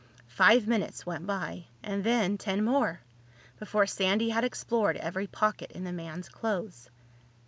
Five minutes went by, and then ten more, before Sandy had explored every pocket in the man's clothes.